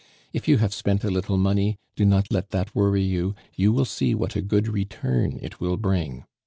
If you have spent a little money, do not let that worry you; you will see what a good return it will bring.